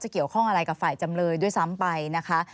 เกี่ยวข้องอะไรกับฝ่ายจำเลยด้วยซ้ำไปนะคะ